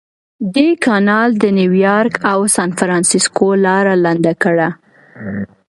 دې کانال د نیویارک او سانفرانسیسکو لاره لنډه کړه.